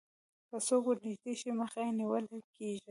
که څوک ورنژدې شي مخه یې نیول کېږي